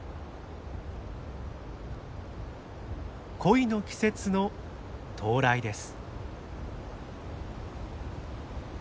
恋の季節の到来です。